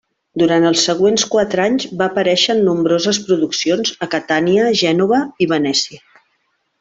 Durant els següents quatre anys, va aparèixer en nombroses produccions a Catània, Gènova i Venècia.